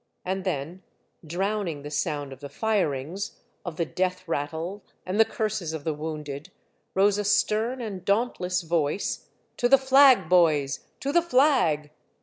And then, drowning the sound of the firings, of the death rattle and the curses of the wounded, rose a stern and dauntless voice, " To the flag, boys ! to the flag